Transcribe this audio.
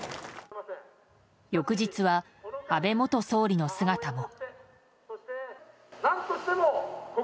翌日は、安倍元総理の姿も。